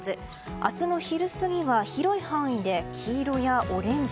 明日の昼過ぎは広い範囲で黄色やオレンジ。